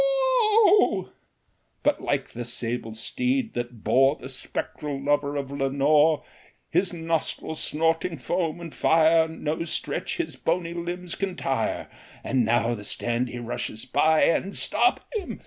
whoa !" But like the sable steed that bore The spectral lover of Lenore, His nostrils snorting foam and fire, No stretch his bony limbs can tire ; And now the stand he rushes by. And " Stop him